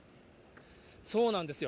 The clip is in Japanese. そうなんですよ。